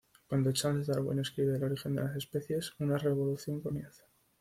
Cuando Charles Darwin escribe "El origen de las especies" una revolución comienza.